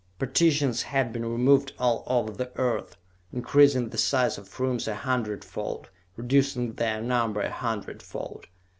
Partitions had been removed all over the earth, increasing the size of rooms a hundredfold, reducing their number a hundredfold.